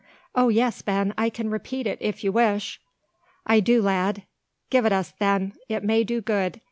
O yes, Ben, I can repeat it, if you wish!" "I do, lad. Gie it us, then. It may do good.